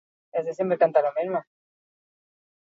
Soilik eskuineko espaloian aparkatu daiteke.